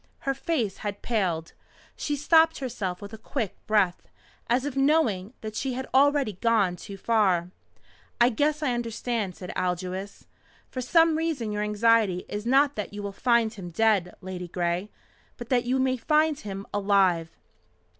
Her face had paled. She stopped herself with a quick breath, as if knowing that she had already gone too far. "I guess I understand," said Aldous. "For some reason your anxiety is not that you will find him dead, Ladygray, but that you may find him alive."